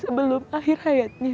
sebelum akhir hayatnya